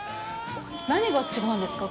何が違うんですか？